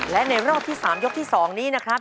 และในรอบที่๓ยกที่๒นี้นะครับ